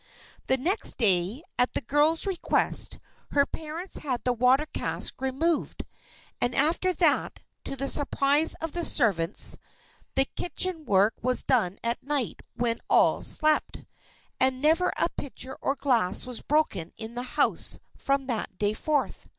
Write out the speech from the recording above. The next day, at the girl's request, her parents had the water cask removed. And after that, to the surprise of the servants, the kitchen work was done at night when all slept, and never a pitcher or glass was broken in the house from that day forth.